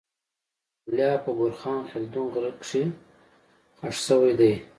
د منګولیا په بورخان خلدون غره کي خښ سوی دی